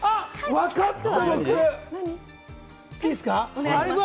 わかった！